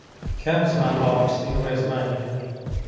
کام زمان ئاڵۆزترین ڕێزمانی هەیە؟